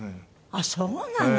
あっそうなの？